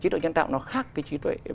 trí đoại nhân tạo nó khác cái trí đoại